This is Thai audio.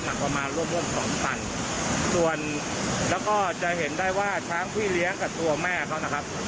ประมาณร่วมร่วมสองตันส่วนแล้วก็จะเห็นได้ว่าช้างพี่เลี้ยงกับตัวแม่เขานะครับ